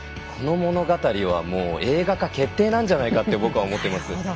この物語は、もう映画化決定なんじゃないかと僕は思います。